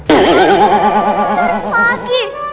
hahaha terus lagi